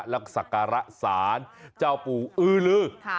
แล้วสักรสานเจ้าปู่อึงลือ